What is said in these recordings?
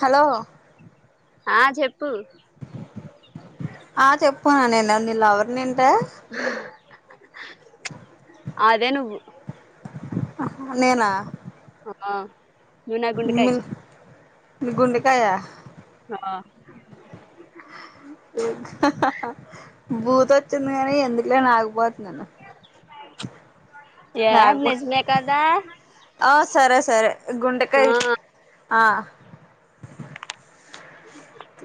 hello ఆ చెప్పు అ పో నను ఎన్నందిల అవరు నింట అదే నువ్వు నేనా ఆ నూనా గుండకాయ మీ మీ గుండెకాయ ఆ భూత వచ్చింది కాని ఎందుకలే నాకుపోతు నాన్న ఏ నిజమే కదా ఆ సరే సరే ఆ గుండెకాయ ఆ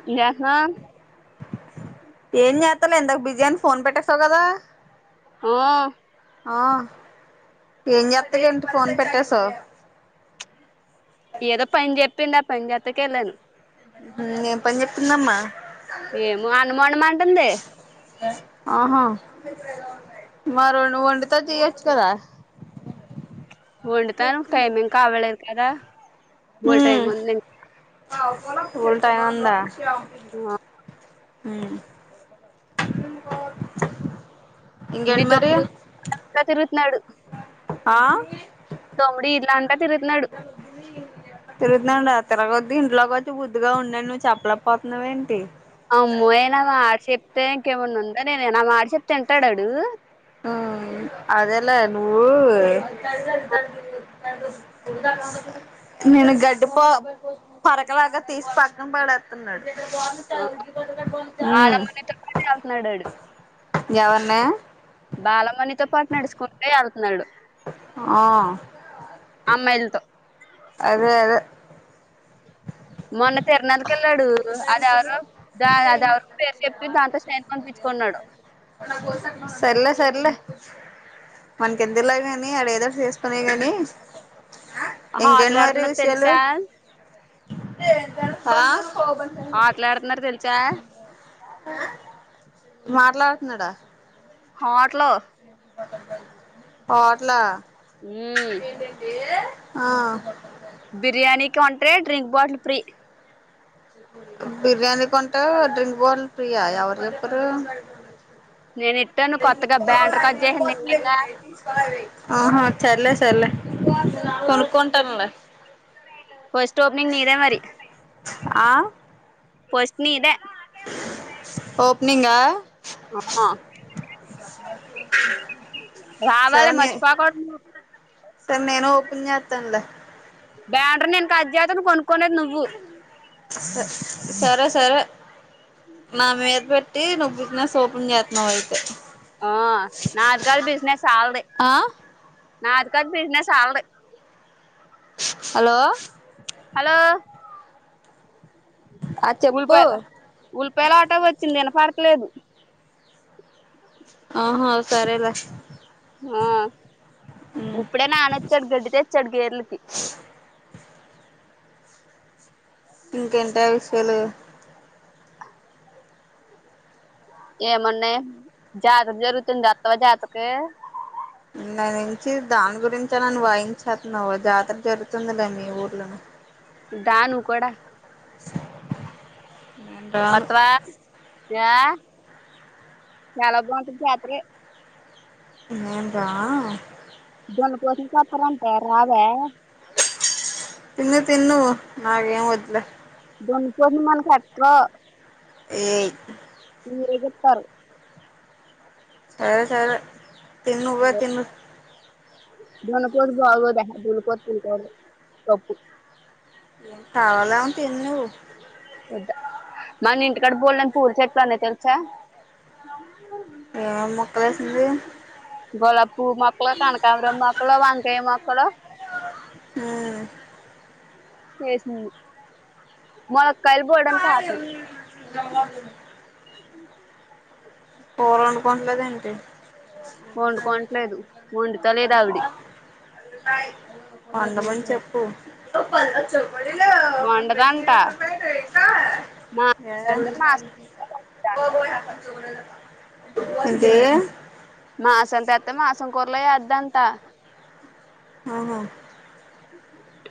ఎమ్ చస్తన్నావ్ ఏం చేస్తలో ఎందాకు బిజీ అని ఫోన్ పెట్టేస్తావు కదా ఉమ్మ్ ఆ ఏం చెప్తది ఏంటి ఫోన్ పెట్టసా పిండా పనిచెడానికేలను ఏం పని చెప్తుందమ్మా ఏమో అనుమానమ అంటుంది ఆహా మర వండితజ కద వండుతాను టైమిం కావలేదు కదా బల్ టైం ఉంది ఫూల్ టైం ఉందా ఆ అ నీ తొందర తిరుగుతున్నాడు ఆ తమ్ముడి వీధిలంతా అంటా తిరుగుతున్నాడు ఊర్థండ్ అ తర కొద్దు ఇంట్లోకి వచ్చి కొద్దిగా ఉండను నువ్వు చెప్పలేకపోతున్నావేంటి అమ్మోయనా మాట చెప్తే ఇంకేమన్నా ఉందా నేనేనా మాట చెప్తే ఎంటాడాడు హ ఆధాలా నువ్వు నేను గడ్డి పో పరకలాగా తీసి పగన పడేస్తున్నాడు ఉమ్మ్ బాలమ్మనితో పాటు వెళ్తున్నాడు ఆడు ఎవన్నా బాలమణితో పాటు నడుచకుంటే వెళ్తున్నాడు ఆ అమ్మాయిలతో అదే అదే మొన్న తరనాలకి వెళ్ళాడు అది ఎవరో దా అది ఎవరో పేరు చెప్పి దాంతో శైన్ సర్లే సర్లే మనకి ఎందులా కాని అడ ఏదోడ చేసుకునే కాగాని ఇంకంటి మరి ఆటలాడుతున్నారు విషయలు తెలుసా ఆ అట్లా ఆడుతున్నారు తెలుసా మాట్లాడుతున్నాడా హలో హోటల్ ల మ్మ్ ఆ బిర్యానీ కొంటె డ్రింక్ బాటిల్ ఫ్రీ బిర్యానీ కొంటే డ్రింక్ బాటిల్ ఫ్రీయ ఎవరు చెప్పారు నేను ఇట్టాను కొత్తగా బ్యానర్ కట్ చేసింది వన్నా నేనేగా క చల్లే చల్లే కొనుకుంటారులే ఫస్ట్ ఓపనింగ్ నిదే మరి ఆ ఫస్ట్ నీదే మీంగ ఆ వా వాళ మచ్చపాకో సర నేను ఓపుతాంద బ్యానర్ నేను కటచేస్తా కొనుక్కొనేది నువ్వు సరే సరే నా మీద పెట్టి నువ్వు బిజినెస్ ఓపెన్ చేస్తున్నావు అయితే ఆఓ నాది కాదు బిజినెస్ వాళ్ళది ఆ నాదికాదు బిజినెస్ వాళ్ళది హలో హలో ఆ చెప్పు ఉలిపాయల ఉల్లిపాయల ఆటో వచ్చింది వినపడలేదు ఆహా సరేలే ఆ ఇప్పుడే నాన్న వచ్చాడు గడ్డి తెచ్చాడు గేదాలకు ఇంకెంటి విషయాలు ఏమున్నాయి జాతర జరుగుతుంది వస్తావా జాతరికి నాకు తెలిసి దాని గురించి నన్ను వాయించేస్తున్నావు జాతర జరుగుతుందిలే మీ ఊర్లోనే దా ను కూడా నేను రాను వత్తావా ఏయ్ - ఏదా మను కోస సత్తంటే రావ తిన్న తిన్న నాకేం వద్లే దొన్ పొన్మానఖట్క ఈ ేగిస్తారు సరే సర తనుగా తిను దనకుద్ బ ఆగదా బల్కింటారు తప్పు ఏ కావాలా ఉంటేంది నువ్వు ఇక్కడ బోలేని పూర్ చేట్లానే తె చ ఏ మలేసి గొలాపూ మక్ళ కాణకాబరం మకుళ వకే మకుళ హ కేసు మళ కైలు బోర్డానికి కాతన్నా పోరునుకోంలేదంటంటి వండు కొనట్లేదు వండుత లేదు ఆవిడి అందమంది చెప్పు చెప్పు బండదాంటా ఏ కూర అదే మాసలుంత అత్త మాసం కోర్లోయ అధ అంత ఆహా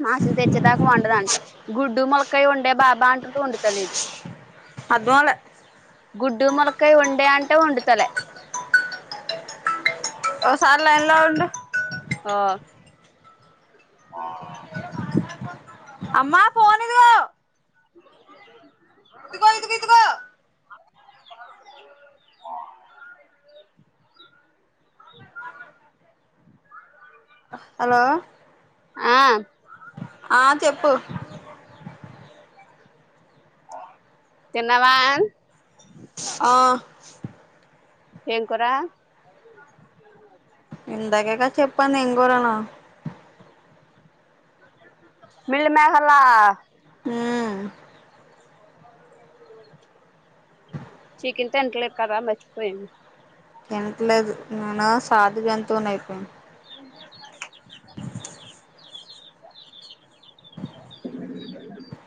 మాసం తెచ్చేదాకా వండదంట గుడ్డు ములకయ ఉండే బాబా అంటుది వండతలేదు అది గుడ్డు ములకయ వండే అంటే వండుతలే ఓ సారిలైన్లోడ్ ఆ ఆ అమ్మా ఫనిదిో ఇదిగో ఆ హలో ఆ ఆ చెప్పు తెన్నవ ఆ ఏం కురా ఇందాకే కదా చెప్ప ఏం కూరనా మిల్మకెర్ల ఉమ్ చికెన్ తంటలే కదా మర్చిపోయను తినట్లేదు నేను సాధు జంతువుని అయిపోయిను [unintelligible]